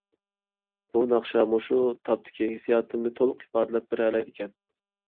بۇ ناخشا مۇشۇ تاپتىكى ھېسسىياتىمنى تولۇق ئىپادىلەپ بېرەلەيدىكەن.